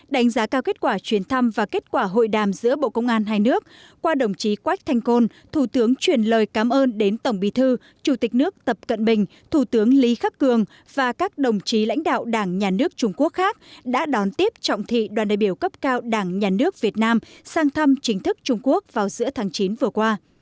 đánh giá cao kết quả chuyến thăm và kết quả hội đàm giữa bộ công an hai nước qua đồng chí quách thanh côn thủ tướng truyền lời cảm ơn đến tổng bì thư chủ tịch nước tập cận bình thủ tướng lý khắc cường và các đồng chí lãnh đạo đảng nhà nước trung quốc khác đã đón tiếp trọng thị đoàn đại biểu cấp cao đảng nhà nước việt nam sang thăm chính thức trung quốc vào giữa tháng chín vừa qua